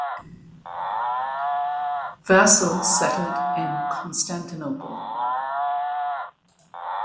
Vasil settled in Constantinople.